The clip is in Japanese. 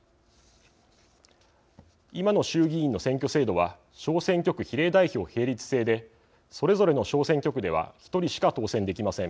今の衆議院の選挙制度は小選挙区比例代表並立制でそれぞれの小選挙区では１人しか当選できません。